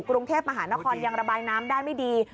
กรุงเทพมหานครยังระบายน้ำได้ไม่ดี